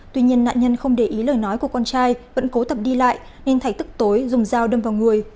tuy nhiên nạn nhân không để ý lời nói của con trai vẫn cố tập đi lại nên thay tức tối dùng dao đâm vào người